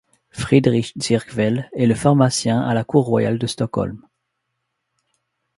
Friedrich Ziervgel est le pharmacien à la cour royale de Stockholm.